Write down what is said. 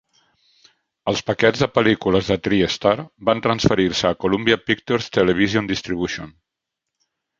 Els paquets de pel·lícules de Tri-Star van transferir-se a Columbia Pictures Television Distribution.